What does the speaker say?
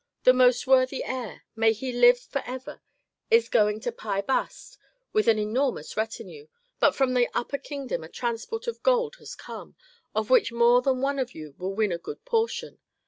The most worthy heir may he live for ever! is going to Pi Bast with an enormous retinue, but from the upper kingdom a transport of gold has come, of which more than one of you will win a good portion.